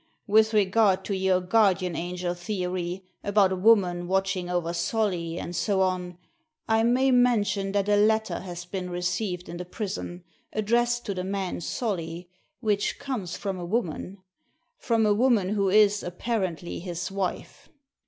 With regard to your guardian angel theory, about a woman watching over Solly, and so on, I may mention that a letter has been received in the prison, addressed to the man Solly, which comes from a woman — from a woman who is, apparently, his wife.